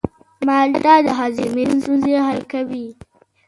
مالټه د هاضمې ستونزې حل کوي.